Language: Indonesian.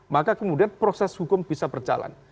maka kemudian proses hukum bisa berjalan